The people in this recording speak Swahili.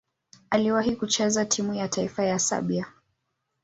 Aliwahi kucheza timu ya taifa ya Serbia.